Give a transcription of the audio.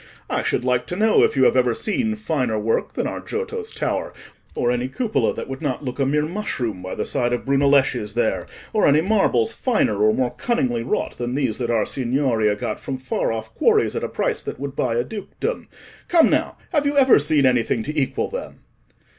I should like to know if you have ever seen finer work than our Giotto's tower, or any cupola that would not look a mere mushroom by the side of Brunelleschi's there, or any marbles finer or more cunningly wrought than these that our Signoria got from far off quarries, at a price that would buy a dukedom. Come, now, have you ever seen anything to equal them?"